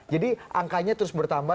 jadi angkanya terus bertambah